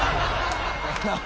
「なあ！